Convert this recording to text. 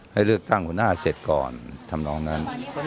ให้เลือกตั้งหัวหน้าเสร็จก่อนทำนองนั้น